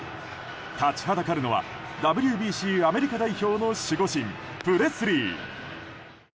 立ちはだかるのはＷＢＣ、アメリカ代表の守護神、プレスリー。